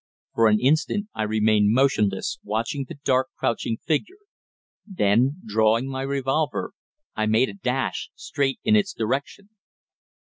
For an instant I remained motionless, watching the dark, crouching figure. Then, drawing my revolver, I made a dash straight in its direction.